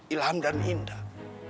ilham dan indah